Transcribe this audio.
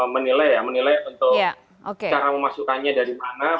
menilai ya menilai untuk cara memasukkannya dari mana